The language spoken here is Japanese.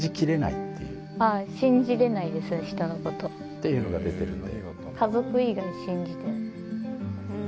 ていうのが出てるんで。